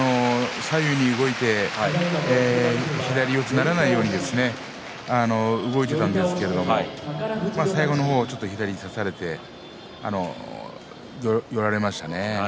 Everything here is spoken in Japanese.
左右に動いて左四つにならないように動いていたんですけども最後の方はちょっと左を差されて寄られましたね。